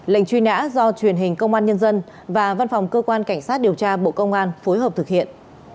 lệnh truy nã do truyền hình công an nhân dân và văn phòng cơ quan cảnh sát điều tra bộ công an phối hợp thực hiện